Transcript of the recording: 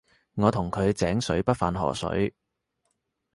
我同佢井水不犯河水